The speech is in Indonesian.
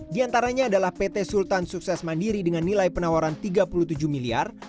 di antaranya adalah pt sultan sukses mandiri dengan nilai penawaran tiga puluh tujuh miliar